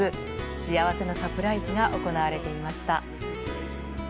幸せのサプライズが行われていました。